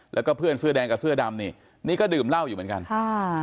แล้วก็เพื่อนเสื้อแดงกับเสื้อดำนี่นี่ก็ดื่มเหล้าอยู่เหมือนกันค่ะ